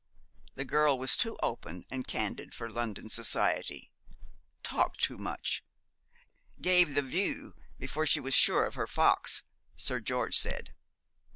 The girl was too open and candid for London society talked too much, "gave the view before she was sure of her fox," Sir George said.